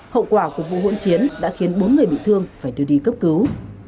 hậu quả của vụ hỗn chiến đã khiến bốn người bị thương phải đưa đi cấp cứu